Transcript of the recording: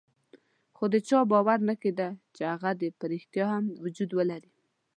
خو د چا باور نه کېده چې هغه دې په ريښتیا هم وجود ولري.